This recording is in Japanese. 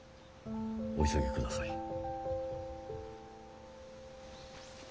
お急ぎください。